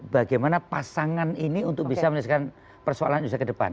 bagaimana pasangan ini untuk bisa menyelesaikan persoalan indonesia ke depan